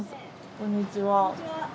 こんにちは。